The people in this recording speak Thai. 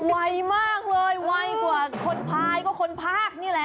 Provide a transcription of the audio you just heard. ไวมากเลยไวกว่าคนพายก็คนภาคนี่แหละ